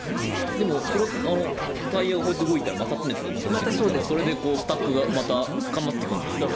でも、タイヤがこうやって動いたら摩擦熱がまた出てくるからそれでスタックが深まっていくんじゃないですか？